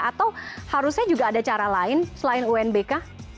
atau harusnya juga ada cara lain selain unbk